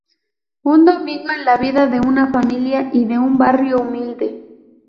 Un domingo en la vida de una familia y de un barrio humilde.